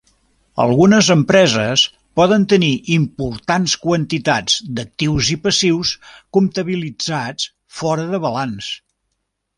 Algunes empreses poden tenir importants quantitats d'actius i passius comptabilitzats fora de balanç.